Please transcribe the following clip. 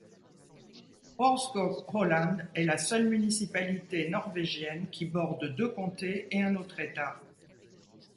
Aurskog-Holand est la seule municipalité norvégienne qui borde deux comtés et un autre État.